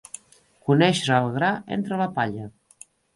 Conèixer el gra entre la palla.